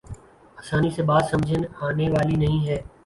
آسانی سے بات سمجھ آنے والی نہیں ہے۔